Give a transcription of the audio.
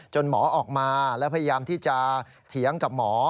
หมอออกมาแล้วพยายามที่จะเถียงกับหมอ